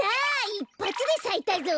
いっぱつでさいたぞ！